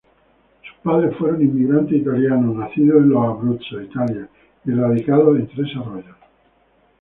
Sus padres fueron inmigrantes italianos nacidos en Abruzzo, Italia, y radicados en Tres Arroyos.